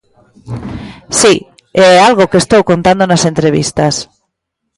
Si, e é algo que estou contando nas entrevistas.